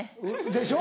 でしょ？